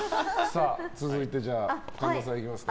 続いて、神田さんいきますか。